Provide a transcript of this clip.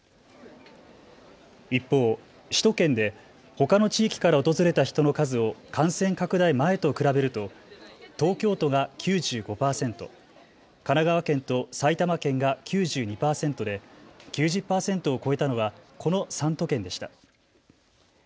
一方、首都圏でほかの地域から訪れた人の数を感染拡大前と比べると東京都が９５％、神奈川県と埼玉県が９２％で９０％を超えたのはこの３都県でした。